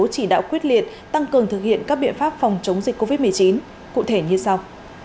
chỉ đạo quyết liệt tăng cường thực hiện các biện pháp phòng chống dịch covid một mươi chín cụ thể như sau